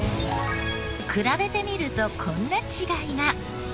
比べてみるとこんな違いが。